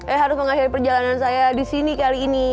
eh harus mengakhiri perjalanan saya disini kali ini